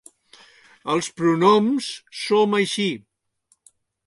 Els pronoms som així.